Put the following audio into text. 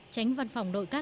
tránh văn phòng đội cộng